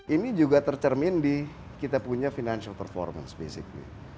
ini juga tercermin di kita punya financial performance basically